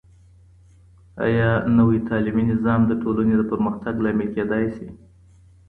آیا نوی تعلیمي نظام د ټولنې د پرمختګ لامل کیدای سي؟